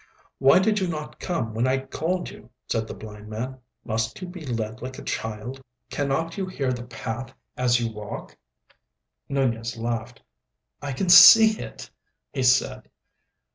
"Why did you not come when I called you?" said the blind man. "Must you be led like a child? Cannot you hear the path as you walk?" Nunez laughed. "I can see it," he said.